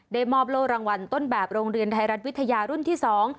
มอบโล่รางวัลต้นแบบโรงเรียนไทยรัฐวิทยารุ่นที่สอง